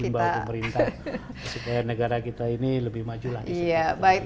kita tetap bimbang ke pemerintah supaya negara kita ini lebih maju lagi